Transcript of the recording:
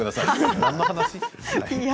何の話？